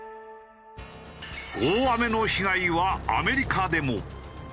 大雨の被害はアメリカでも。